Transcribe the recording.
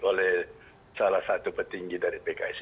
oleh salah satu petinggi dari pks